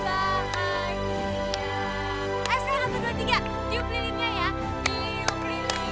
selamat panjang umur dan bahagia